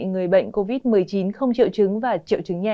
người bệnh covid một mươi chín không triệu chứng và triệu chứng nhẹ